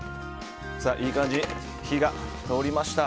いい感じに火が通りました。